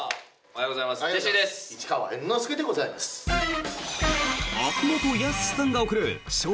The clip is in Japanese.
おはようございます。